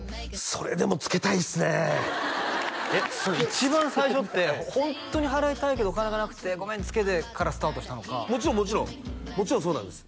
それでもツケたいっすね一番最初ってホントに払いたいけどお金がなくて「ごめんツケで」からスタートしたのかもちろんもちろんもちろんそうなんです